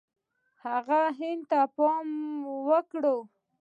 هغه هند ته پام وکړ.